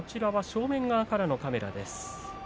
正面側のカメラです。